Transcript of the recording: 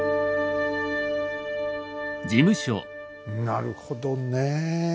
なるほどねえ。